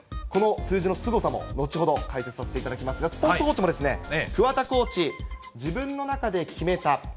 この数字のすごさも、後ほど解説させていただきますが、スポーツ報知もですね、桑田コーチ、自分の中で決めた。